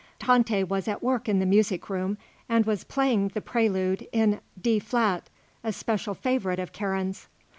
Tante was at work in the music room and was playing the prelude in D flat, a special favourite of Karen's.